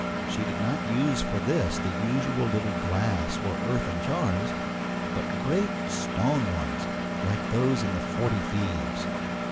She did not use for this the usual little glass or earthen jars, but great stone ones, like those in the "Forty Thieves."